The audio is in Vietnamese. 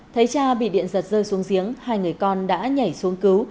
thấy cha bị điện giật rơi xuống giếng hai người con đã nhảy xuống cứu